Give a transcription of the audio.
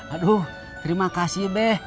aduh terima kasih beh